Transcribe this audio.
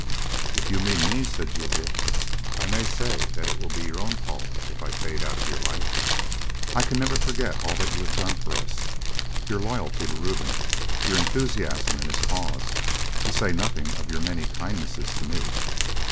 "If you mean me," said Juliet, "I may say that it will be your own fault if I fade out of your life. I can never forget all that you have done for us, your loyalty to Reuben, your enthusiasm in his cause, to say nothing of your many kindnesses to me.